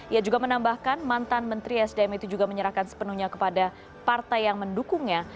ia juga menambahkan mantan menteri sdm itu juga menyerahkan sepenuhnya kepada partai yang mendukungnya